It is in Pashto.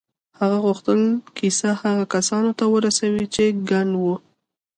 هغه غوښتل کیسه هغو کسانو ته ورسوي چې کڼ وو